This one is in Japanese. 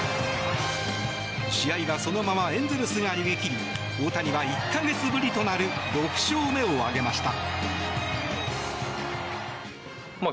試合はそのままエンゼルスが逃げ切り大谷は１か月ぶりとなる６勝目を挙げました。